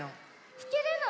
ひけるの？